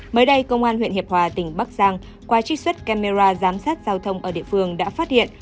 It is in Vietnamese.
mới đây công an huyện hiệp hòa tỉnh bắc giang qua trích xuất camera giám sát giao thông ở địa phương đã phát hiện